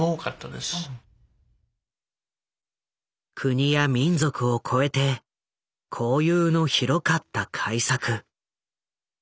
国や民族を超えて交友の広かった開作。